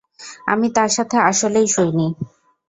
আমি তার সাথে আসলেই শুইনি।